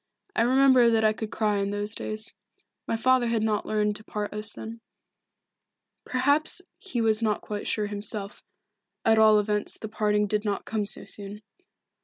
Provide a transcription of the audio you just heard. I remember that I could cry in those days. My father had not learned to part us then. Perhaps he was not quite sure himself, at all events the parting did not come so soon.